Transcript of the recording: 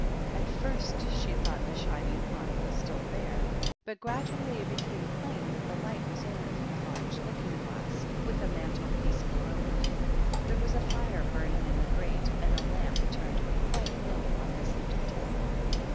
At first she thought the shining pond was still there ; but gradually it became plain that the light was only from a large looking glass, with a mantel piece below it. There was a fire burning in the grate, and a lamp turned quite low on the centre table.